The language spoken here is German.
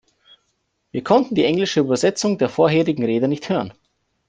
Wir konnten die englische Übersetzung der vorherigen Rede nicht hören.